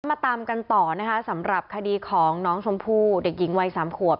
มาตามกันต่อนะคะสำหรับคดีของน้องชมพู่เด็กหญิงวัยสามขวบ